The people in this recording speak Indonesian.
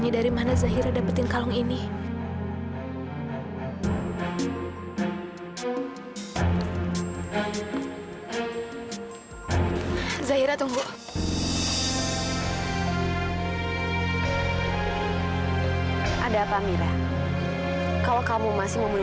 dan tidak berarti untuk kakak